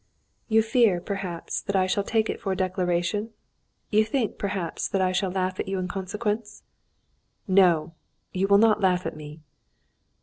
"You fear, perhaps, that I shall take it for a declaration? You think, perhaps, that I shall laugh at you in consequence?" "No! You will not laugh at me."